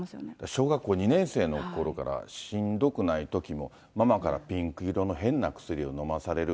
小学校２年生のころから、しんどくないときもママからピンク色の変な薬を飲まされる。